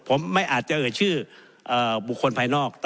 ผมไม่อาจจะเอ่ยชื่อบุคคลภายนอก